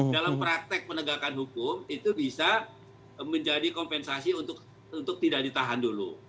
dalam praktek penegakan hukum itu bisa menjadi kompensasi untuk tidak ditahan dulu